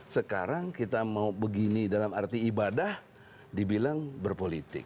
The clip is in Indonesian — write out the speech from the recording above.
sekarang kita mau begini dalam arti ibadah dibilang berpolitik